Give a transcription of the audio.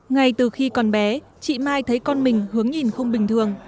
ngay từ khi còn bé chị mai thấy con mình hướng nhìn không bình thường